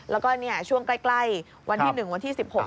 แล้วก็ช่วงใกล้วันที่๑วันที่๑๖